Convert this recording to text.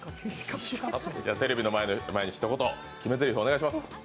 テレビの前にひと言、決めぜりふをお願いします。